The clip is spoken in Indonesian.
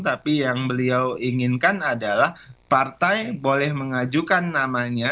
tapi yang beliau inginkan adalah partai boleh mengajukan namanya